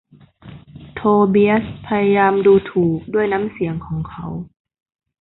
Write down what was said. โทเบียสพยายามดูถูกด้วยน้ำเสียงของเขา